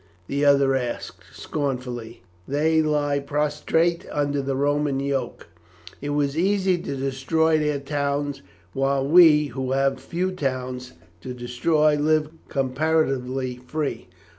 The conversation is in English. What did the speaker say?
the other asked scornfully; "they lie prostrate under the Roman yoke. It was easy to destroy their towns while we, who have few towns to destroy, live comparatively free.